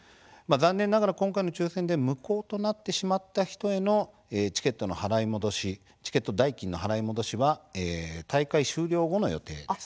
残念ながら、今回の抽せんで無効となってしまった人へのチケット代金の払い戻しは大会終了後の予定です。